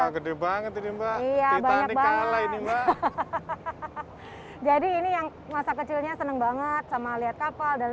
gede banget ini mbak iya banyak banget jadi ini yang masa kecilnya seneng banget sama lihat kapal dan